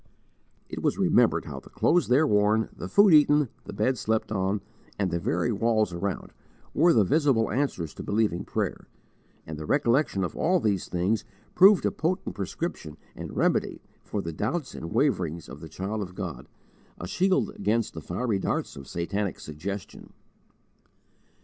It was remembered how the clothes there worn, the food eaten, the bed slept on, and the very walls around, were the visible answers to believing prayer, and the recollection of all these things proved a potent prescription and remedy for the doubts and waverings of the child of God, a shield against the fiery darts of satanic suggestion.